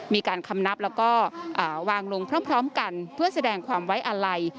มีการคำนับแล้วก็วางลงพร้อมกันเพื่อแสดงความไว้อาลัย